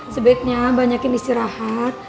sebaiknya banyakin istirahat